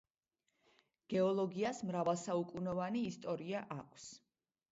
გეოლოგიას მრავალსაუკუნოვანი ისტორია აქვს.